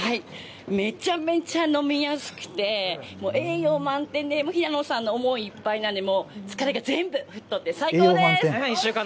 めちゃめちゃ飲みやすくて栄養満点で平野さんの思いいっぱいなので疲れが全部吹っ飛んで最高です。